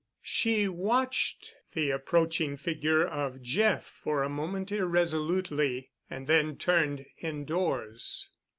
She watched the approaching figure of Jeff for a moment irresolutely and then turned indoors.